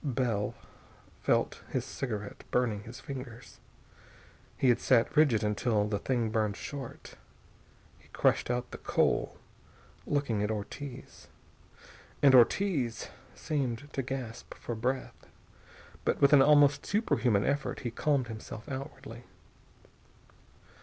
Bell felt his cigarette burning his fingers. He had sat rigid until the thing burned short. He crushed out the coal, looking at Ortiz. And Ortiz seemed to gasp for breath. But with an almost superhuman effort he calmed himself outwardly.